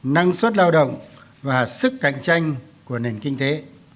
năng suất lao động và sức cạnh tranh của nền kinh tế